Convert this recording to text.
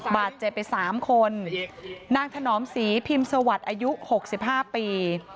บาดเจ็บไป๓คนนางถนอมศรีพิมพ์สวัสดิ์อายุ๖๕ปี